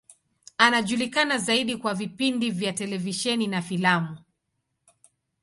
Anajulikana zaidi kwa vipindi vya televisheni na filamu.